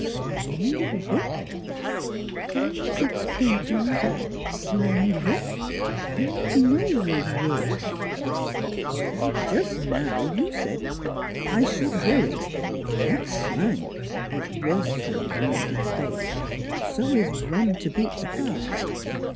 " Sl ang w'at? Of kin'ness explain to me zat sl'ang w'at? I not know zose words." " Why just now, you said ' I should worry '; NEIGHBORS 219 that's slang the worst kind of United States. So is ' run to beat the cars.'